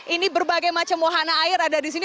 ini berbagai macam wahana air ada di sini